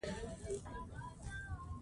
اوړي د افغان ځوانانو لپاره دلچسپي لري.